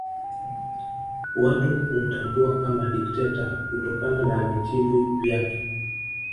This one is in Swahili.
Watu humtambua kama dikteta kutokana na vitibwi vyake